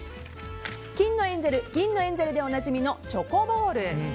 金のエンゼル、銀のエンゼルでおなじみのチョコボール。